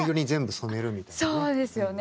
そうですよね。